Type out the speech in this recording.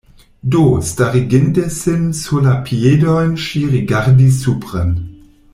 Do, stariginte sin sur la piedojn ŝi rigardis supren.